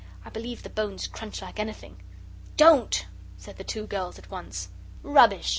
I believe the bones crunch like anything." "Don't!" said the two girls at once. "Rubbish!"